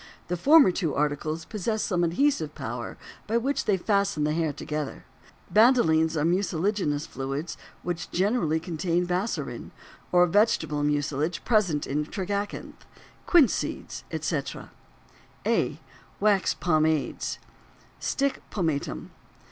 The former two articles possess some adhesive power by which they fasten the hair together; bandolines are mucilaginous fluids which generally contain bassorin (or vegetable mucilage present in tragacanth), quince seeds, etc. A. Wax Pomades. STICK POMATUM.